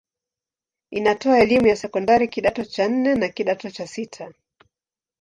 Inatoa elimu ya sekondari kidato cha nne na kidato cha sita.